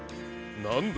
なんだ？